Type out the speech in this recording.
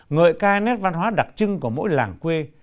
ngợi ca nét văn hóa đặc trưng của mỗi làng quê